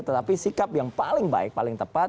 tetapi sikap yang paling baik paling tepat